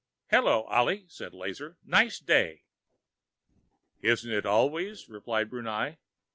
"Hello, Ollie," said Lazar. "Nice day." "Isn't it always?" replied Brunei.